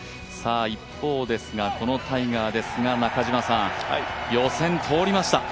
一方ですがこのタイガーですが、予選とおりました。